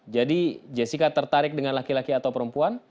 jadi jessica tertarik dengan laki laki atau perempuan